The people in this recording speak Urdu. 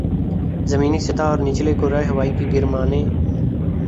زمینی سطح اور نچلے کرۂ ہوائی کے گرمانے